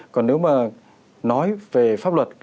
còn nếu mà nói về pháp luật